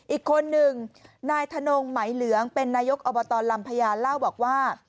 อีกคนหนึ่งนายธนงไหมเหลืองเป็นนายกอบตลำพญาเล่าบอกว่า